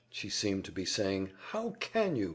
she seemed to be saying. "How can you?